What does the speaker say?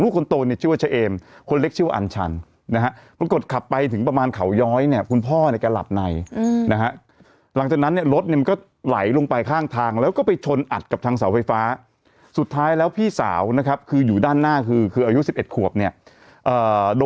ลูกคนโตนเนี่ยชื่อว่าเชเอมคนเล็กชื่อว่าอันชัน